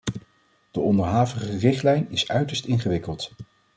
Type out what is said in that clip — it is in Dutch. De onderhavige richtlijn is uiterst ingewikkeld.